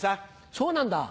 そうなんだ。